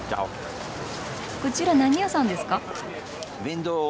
こちら何屋さんですか？